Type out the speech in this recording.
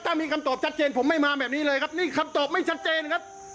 ถ้ามีคำตอบชัดเจนผมไม่มาแบบนี้เลยครับนี่คำตอบไม่ชัดเจนครับ